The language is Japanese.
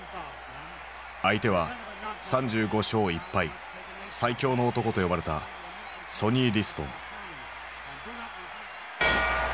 相手は３５勝１敗「最強の男」と呼ばれたソニー・リストン。